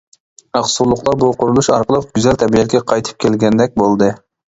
ئاقسۇلۇقلار بۇ قۇرۇلۇش ئارقىلىق گۈزەل تەبىئەتكە قايتىپ كەلگەندەك بولدى.